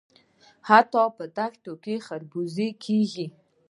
حتی په دښتو کې خربوزې کیږي.